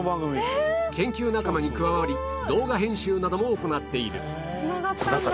研究仲間に加わり動画編集なども行っている